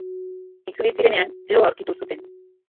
Itzuli zirenean, lo aurkitu zuten.